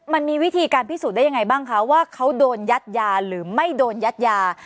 มันมีวิธีการพิสูจน์ได้ยังไงบ้างคะว่าเขาโดนยัดยาหรือไม่โดนยัดยา